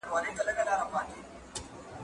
دا سبزېجات له هغه تازه دي!؟